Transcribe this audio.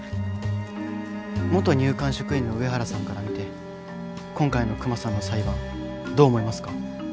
元入管職員の上原さんから見て今回のクマさんの裁判どう思いますか？